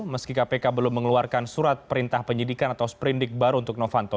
meski kpk belum mengeluarkan surat perintah penyidikan atau sprindik baru untuk novanto